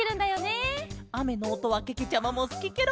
あめのおとはけけちゃまもすきケロ。